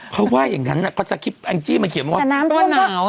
เขาว่าอย่างนั้นเขาสคริปตแองจี้มาเขียนมาว่าน้ำท่วม